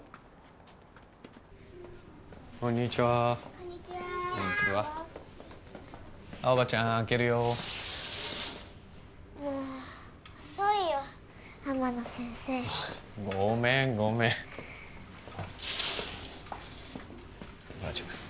こんにちはこんにちは青葉ちゃん開けるよもう遅いよ天野先生ごめんごめんもらっちゃいます